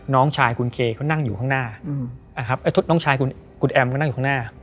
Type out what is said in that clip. น้องชายคุณแอมก็นั่งอยู่ข้างหน้า